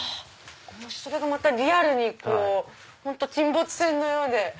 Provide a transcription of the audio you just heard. それがまたリアルに本当沈没船のようで。